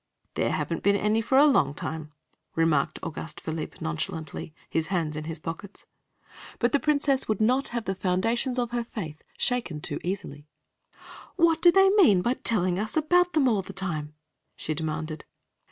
"There haven't been any for a long time," remarked Auguste Philippe nonchalantly, his hands in his pockets. But the Princess would not have the foundations of her faith shaken too easily. "What do they mean by telling us about them all the time?" she demanded.